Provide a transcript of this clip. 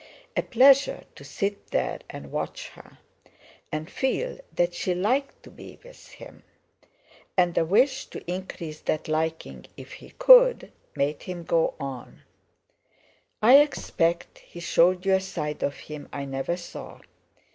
A pleasure to sit there and watch her, and feel that she liked to be with him. And the wish to increase that liking, if he could, made him go on: "I expect he showed you a side of him I never saw.